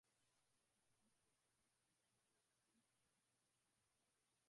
usiogope kutumia vipengele vya video za mazungumzo